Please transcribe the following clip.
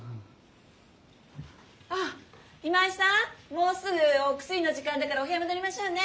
もうすぐお薬の時間だからお部屋戻りましょうね。